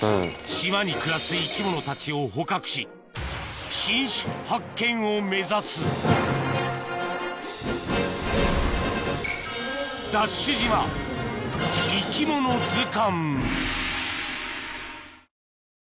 島に暮らす生き物たちを捕獲し新種発見を目指すＤＡＳＨ島生き物図鑑